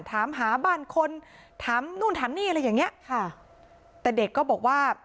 ถามหาบ้านคนถามนู่นถามนี่อะไรอย่างเงี้ยค่ะแต่เด็กก็บอกว่า